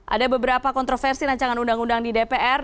ada beberapa kontroversi rancangan undang undang di dpr